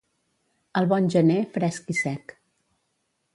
El bon gener, fresc i sec.